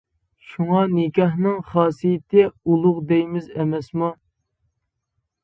شۇڭا نىكاھنىڭ خاسىيىتى ئۇلۇغ دەيمىز ئەمەسمۇ!